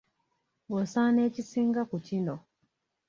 Osaana ekisinga ku kino.